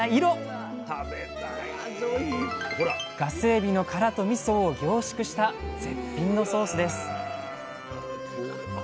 ガスエビの殻とみそを凝縮した絶品のソースです